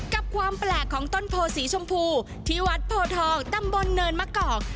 กับความแปลกของต้นโพสีชมพูที่วัดโพทองตำบลเนินมะกอก